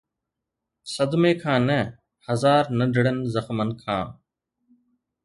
صدمي کان نه، هزار ننڍڙن زخمن کان.